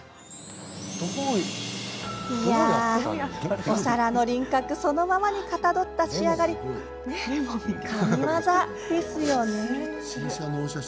いやあ、お皿の輪郭そのままにかたどった仕上がり神業ですよね。